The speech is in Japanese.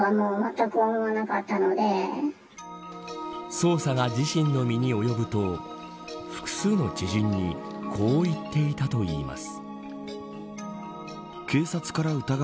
捜査が自身の身に及ぶと複数の知人にこう言っていたといいます。